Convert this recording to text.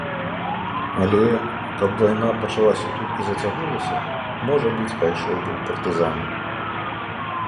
Але, калі б вайна пачалася тут і зацягнулася, можа быць, пайшоў бы ў партызаны.